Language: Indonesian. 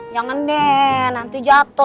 jangan deh nanti jatuh